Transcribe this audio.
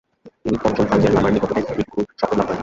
তিনি পঞ্চম পাঞ্চেন লামার নিকট হতে ভিক্ষুর শপথ লাভ করেন।